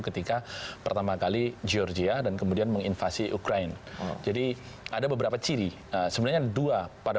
ketika pertama kali georgia dan kemudian menginvasi ukraine jadi ada beberapa ciri sebenarnya ada dua pada